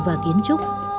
và kiến trúc